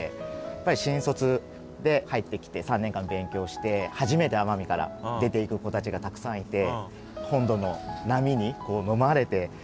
やっぱり新卒で入ってきて３年間勉強して初めて奄美から出ていく子たちがたくさんいて。